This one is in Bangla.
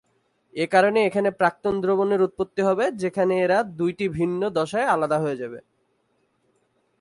এ কারণে এখানে প্রাক্তন দ্রবণের উৎপত্তি হবে যেখানে এরা দুইটি ভিন্ন দশায় আলাদা হয়ে যাবে।